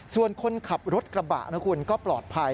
ส่วนคนขับรถกระบะนะคุณก็ปลอดภัย